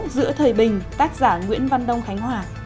giữa thời bình tác giả nguyễn văn đông khánh hòa